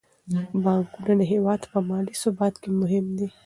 بانکونه د هیواد په مالي ثبات کې مهم دي.